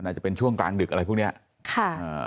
อาจจะเป็นช่วงกลางดึกอะไรพวกเนี้ยค่ะอ่า